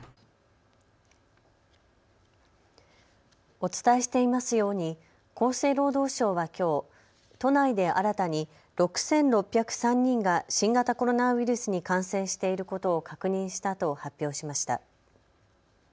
お伝えしていますように厚生労働省はきょう都内で新たに６６０３人が新型コロナウイルスに感染していることを確認したと発表しました。